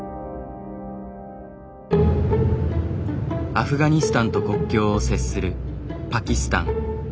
アフガニスタンと国境を接するパキスタン。